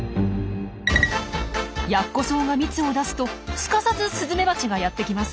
ヤッコソウが蜜を出すとすかさずスズメバチがやって来ます。